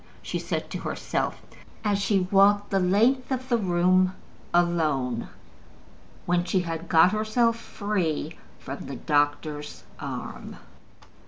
she said to herself, as she walked the length of the room alone, when she had got herself free from the doctor's arm.